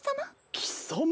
貴様。